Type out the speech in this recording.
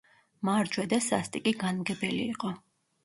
მარჯვე და სასტიკი განმგებელი იყო.